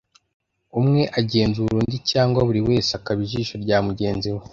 Umwe agenzura undi cyangwa buri wese akaba ijisho rya mugenzi we